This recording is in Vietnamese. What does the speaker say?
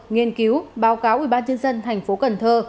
nghiên cứu báo cáo ubnd thành phố cần thơ